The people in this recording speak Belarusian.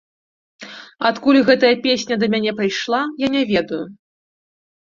Адкуль гэтая песня да мяне прыйшла, я не ведаю.